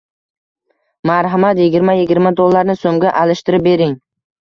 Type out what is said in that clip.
Marhamat, yigirma yigirma dollarni so'mga alishtirib bering.